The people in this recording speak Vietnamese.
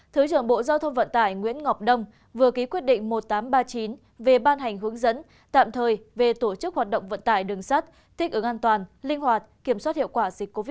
thứ trưởng bộ giao thông vận tải nguyễn ngọc đông vừa ký quyết định một nghìn tám trăm ba mươi chín về ban hành hướng dẫn tạm thời về tổ chức hoạt động vận tải đường sắt thích ứng an toàn linh hoạt kiểm soát hiệu quả dịch covid một mươi chín